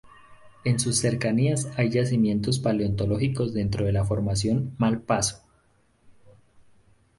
En sus cercanías hay yacimientos paleontológicos dentro de la Formación Mal Paso.